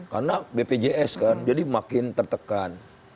karena bpjs kan jadi makin tertekan